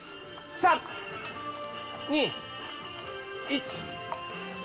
３、２、１。